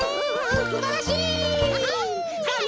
すばらしい！